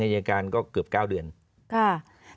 หลายครั้งหลายครั้งหลายครั้งหลายครั้ง